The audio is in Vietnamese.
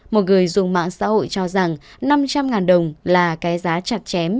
một người dùng mạng xã hội cho rằng năm trăm linh đồng là cái giá chặt chém